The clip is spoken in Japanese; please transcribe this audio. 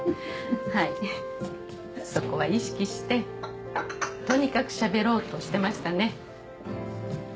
はいそこは意識してとにかくしゃべろうとしてましたね